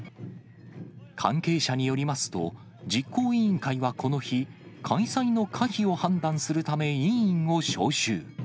関係者によりますと、実行委員会はこの日、開催の可否を判断するため、委員を招集。